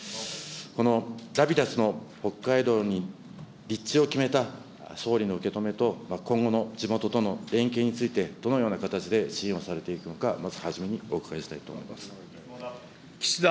このラピダスの北海道に立地を決めた総理の受け止めと、今後の地元との連携について、どのような形で支援をされていかれるのか、まずはじめにお伺いし岸田